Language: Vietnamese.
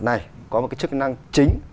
này có một cái chức năng chính